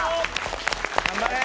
頑張れ。